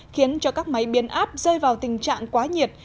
khiến cho các máy biến áp rơi vào tình trạng quá nhiệt